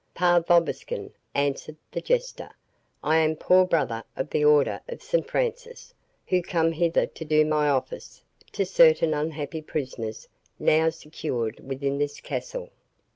"Pax vobiscum," answered the Jester, "I am a poor brother of the Order of St Francis, who come hither to do my office to certain unhappy prisoners now secured within this castle."